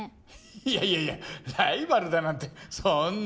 いやいやいやライバルだなんてそんな。